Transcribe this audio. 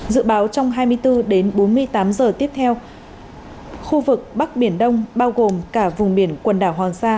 dự báo trong hai mươi bốn đến bốn mươi tám giờ tiếp theo khu vực bắc biển đông bao gồm cả vùng biển quần đảo hoàng sa